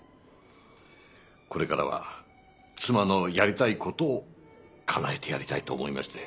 これからは妻のやりたいことをかなえてやりたいと思いまして。